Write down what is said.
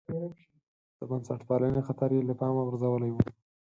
د بنسټپالنې خطر یې له پامه غورځولی و.